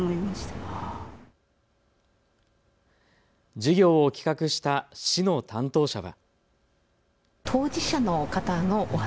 授業を企画した市の担当者は。